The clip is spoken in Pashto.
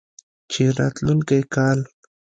چې راتلونکی کال